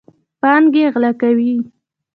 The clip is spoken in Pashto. پانګې غلا کوي.